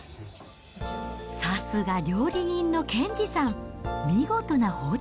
さすが料理人の賢治さん。